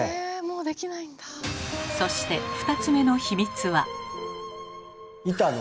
そして２つ目の秘密は。